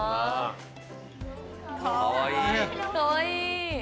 かわいい！